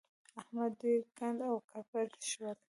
احمد دوی کنډ او کپر شول.